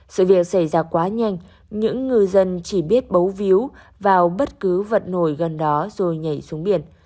sự việc xảy ra quá nhanh những ngư dân chỉ biết bấu víu vào bất cứ vật nổi gần đó rồi nhảy xuống biển